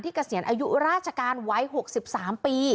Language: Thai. เกษียณอายุราชการไว้๖๓ปี